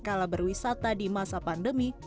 kala berwisata di masa pandemi